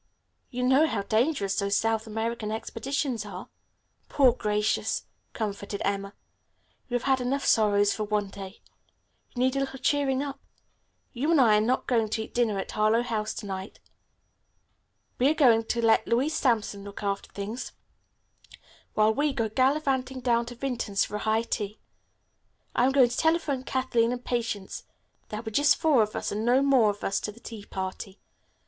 You know how dangerous those South American expeditions are?" "Poor Gracious," comforted Emma, "you have had enough sorrows for one day. You need a little cheering up. You and I are not going to eat dinner at Harlowe House to night. We are going to let Louise Sampson look after things while we go gallivanting down to Vinton's for a high tea. I'm going to telephone Kathleen and Patience. There will be just four of us, and no more of us to the tea party.